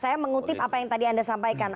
saya mengutip apa yang tadi anda sampaikan